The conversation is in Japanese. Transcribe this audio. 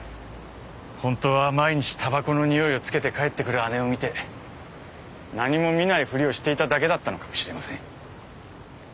ホントは毎日たばこのにおいをつけて帰ってくる姉を見て何も見ないふりをしていただけだったのかもしれません。